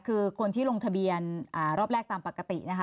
คือคนที่ลงทะเบียนรอบแรกตามปกตินะคะ